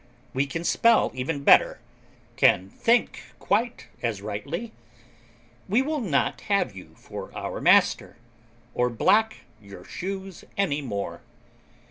We can spell even better; can think quite as rightly; we will not have you for our master, or black your shoes any more.